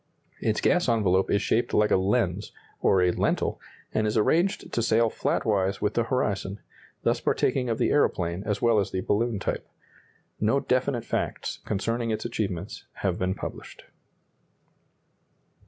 Its gas envelope is shaped like a lens, or a lentil, and is arranged to sail flatwise with the horizon, thus partaking of the aeroplane as well as the balloon type. No definite facts concerning its achievements have been published.